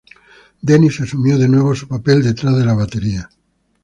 Dennis asumió de nuevo su papel detrás de la batería.